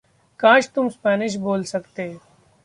काश तुम स्पैनिश बोल सकते।